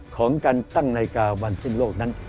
ของการตั้งนาฬิกาวันสิ้นโลกนั้น